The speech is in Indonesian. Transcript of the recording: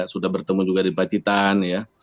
sudah bertemu juga di pacitan ya